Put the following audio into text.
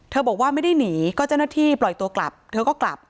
บอกว่าไม่ได้หนีก็เจ้าหน้าที่ปล่อยตัวกลับเธอก็กลับ